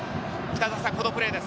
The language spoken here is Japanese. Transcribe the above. このプレーです。